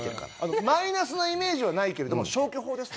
「マイナスのイメージはないけれども消去法です」と。